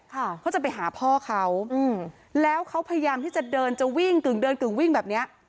เขาจะไปหาพ่อเขาอืมแล้วเขาพยายามที่จะเดินจะวิ่งกึ่งเดินกึ่งวิ่งแบบเนี้ย